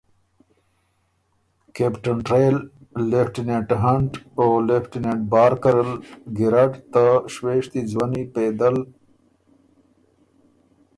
کپټن ټرائل، لېفټیننټ هنټ او لېفټیننټ بارکر ال ګیرډ ته شوېشتي ځوَنّي پېدل